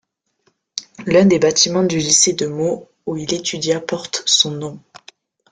L'un des bâtiments du lycée de Meaux où il étudia porte son nom.